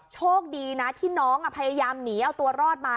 โชคดีนะที่น้องพยายามหนีเอาตัวรอดมา